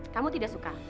kamu tidak suka